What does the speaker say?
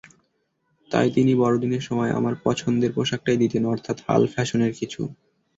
তাই তিনি বড়দিনের সময় আমার পছন্দের পোশাকটাই দিতেন, অর্থাৎ হাল ফ্যাশনের কিছু।